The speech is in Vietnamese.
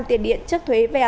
một mươi tiền điện trước thuế